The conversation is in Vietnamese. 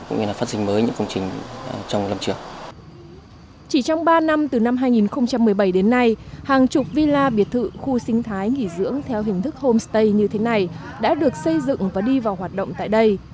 chỉ trong ba năm từ năm hai nghìn một mươi bảy đến nay hàng chục villa biệt thự khu sinh thái nghỉ dưỡng theo hình thức homestay như thế này đã được xây dựng và đi vào hoạt động tại đây